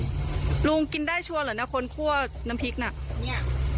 คุณกินได้คนคั่วน้ำพริกไหม